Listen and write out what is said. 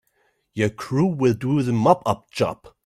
Your crew will do the mop up job.